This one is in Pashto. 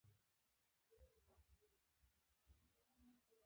هغه مي د باجه زوی دی .